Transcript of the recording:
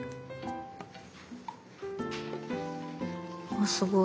あすごい。